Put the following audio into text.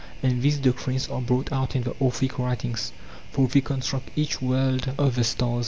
And these doctrines are brought out in the Orphic writings, for they construct each world of the stars.